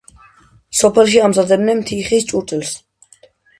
სოფელში ამზადებდნენ თიხის ჭურჭელს.